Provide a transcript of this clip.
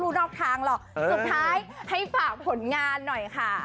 สุดท้ายให้ฝากผลงานน้อยค่ะ